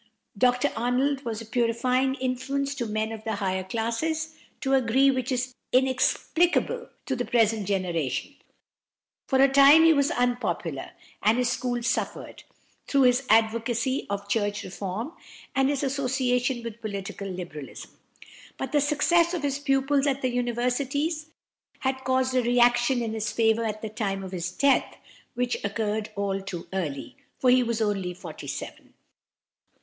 Dr Arnold was a purifying influence to men of the higher classes, to a degree which is inexplicable to the present generation. For a time he was unpopular, and his school suffered, through his advocacy of church reform and his association with political Liberalism; but the success of his pupils at the universities had caused a reaction in his favour at the time of his death, which occurred all too early, for he was only forty seven.